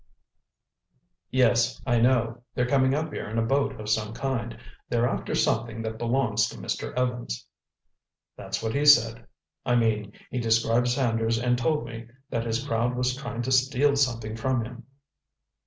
"Yes, I know—they're coming up here in a boat of some kind. They're after something that belongs to Mr. Evans." "That's what he said. I mean, he described Sanders and told me that his crowd was trying to steal something from him."